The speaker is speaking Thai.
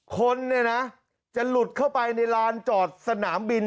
คนอันนี้นะจะหลุดเข้าไปที่ลานจอดสนามบิน